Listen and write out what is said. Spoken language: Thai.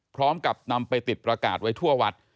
พร้อมกับนำไปติดประกาศไว้ทั่ววัด